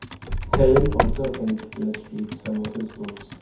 Helen also helped illustrate some of his books.